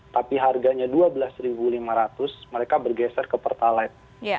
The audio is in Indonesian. tapi harganya rp dua belas lima ratus mereka bergeser ke pertalite